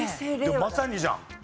でもまさにじゃん。